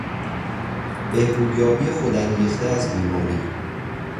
بهبودیابی خودانگیخته از بیماری